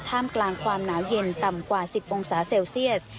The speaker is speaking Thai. ท่ามกลางความหนาวเย็นต่ำกว่า๑๐องศาเซลเซียส